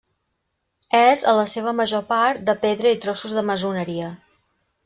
És, en la seva major part, de pedra i trossos de maçoneria.